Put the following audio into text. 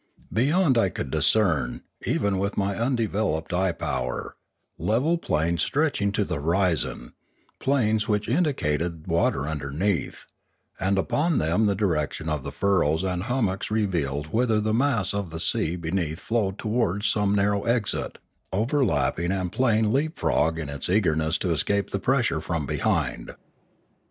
Beyond I could discern, even with my undeveloped eye power, level plains stretching to the horizon, plains which indicated water underneath; and upon them the direction of the furrows and hummocks revealed whither the mass of the sea beneath flowed to wards some narrow exit, overlapping and playing leap frog in its eagerness to escape the pressure from behind.